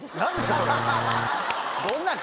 それ。